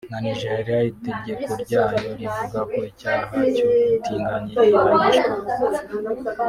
na Nigeria itegeko ryabo rivuga ko icyaha cy’ubutinganyi gihanishwa urupfu